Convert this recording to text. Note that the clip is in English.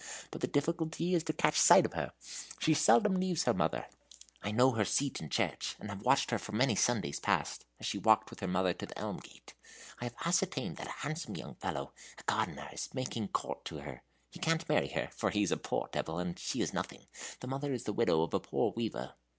But the difficulty is to catch sight of her. She seldom leaves her mother. I know her seat in church, and have watched her for many Sundays past, as she walked with her mother to the Elm Gate. I have ascertained that a handsome young fellow, a gardener, is making court to her. He can't marry her, for he is a poor devil, and she has nothing. The mother is the widow of a poor weaver."